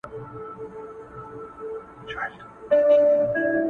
o پياز ئې څه و څه کوم، نياز ئې څه و څه کوم٫